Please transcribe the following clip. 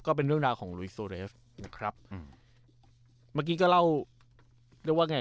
ก็เป็นเรื่องราวของลุยโซเรฟนะครับอืมเมื่อกี้ก็เล่าเรียกว่าไง